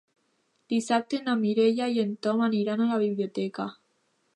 Dissabte na Mireia i en Tom aniran a la biblioteca.